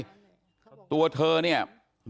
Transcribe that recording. พี่สาวของผู้ตายอายุ๗๒ปี